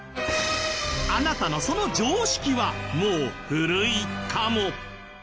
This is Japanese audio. あなたのその常識はもう古いかも！？